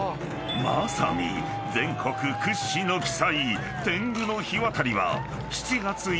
［まさに全国屈指の奇祭］